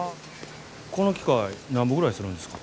この機械なんぼぐらいするんですか？